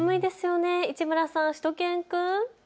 市村さん、しゅと犬くん。